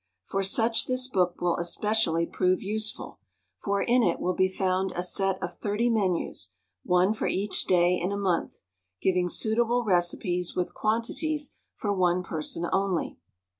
For such this book will especially prove useful, for in it will be found a set of thirty menus, one for each day in a month, giving suitable recipes with quantities for one person only.